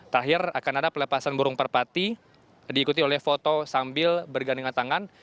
terakhir akan ada pelepasan burung perpati diikuti oleh foto sambil bergandengan tangan